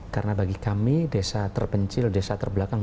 karena bagi kami desa terpencil desa terbelakang